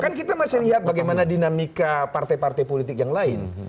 kan kita masih lihat bagaimana dinamika partai partai politik yang lain